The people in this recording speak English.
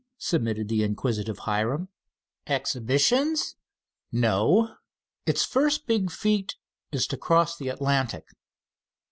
submitted the inquisitive Hiram, "exhibitions?" "No. It's first big feat is to cross the Atlantic."